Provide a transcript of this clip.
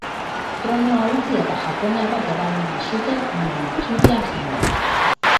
Tronua utzi eta japoniarrek erabili zuten Mantxurian zegoela.